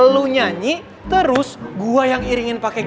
lo nyanyi terus gue yang iringin paketannya